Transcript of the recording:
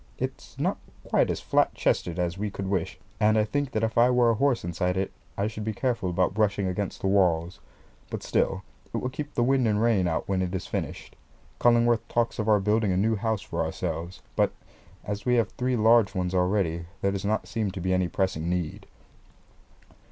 It's not quite as flat chested as we could wish; and I think that if I were a horse inside it, I should be careful about brushing against the walls; but still it will keep the wind and rain out when it is finished. Cullingworth talks of our building a new house for ourselves; but as we have three large ones already there does not seem to be any pressing need.